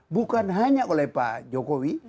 bukan hanya oleh pak jokowi